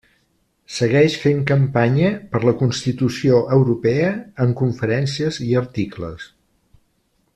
Segueix fent campanya per la Constitució Europea en conferències i articles.